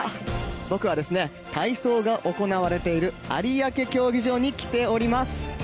僕は、体操が行われている有明競技場に来ております。